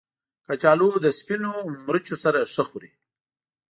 کچالو له سپینو مرچو سره ښه خوري